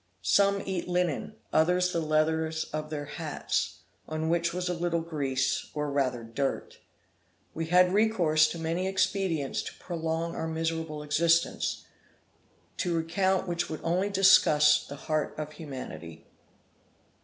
Some eat linen; others the leathers of their hats, on which was a little grease or rather dirt. We had recourse to many expedients to prolong our miserable existence, to recount which would only disgust the heart of humanity.